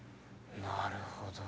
なるほど。